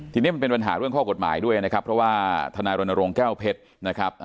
ทีนี้มันเป็นปัญหาเรื่องข้อกฎหมายด้วยนะครับเพราะว่าทนายรณรงค์แก้วเพชรนะครับ